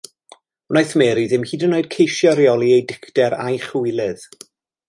Wnaeth Mary ddim hyd yn oed ceisio rheoli ei dicter a'i chywilydd.